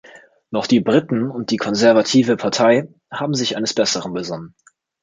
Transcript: Doch die Briten und die Konservative Partei haben sich eines Besseren besonnen.